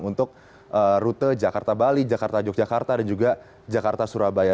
untuk rute jakarta bali jakarta yogyakarta dan juga jakarta surabaya